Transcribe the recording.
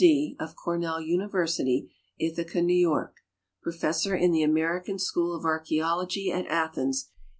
D., of Cornell University, Ithaca, New York, professor in the American School of Archeology at Athens, 189.